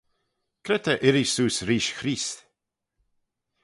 Cre ta irree seose reesht Chreest?